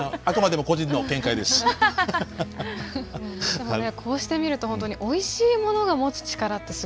でもこうして見ると本当においしいものが持つ力ってすごいですね。